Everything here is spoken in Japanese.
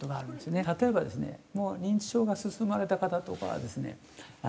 例えばですねもう認知症が進まれた方とかはですね